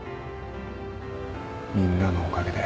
みんなのおかげで。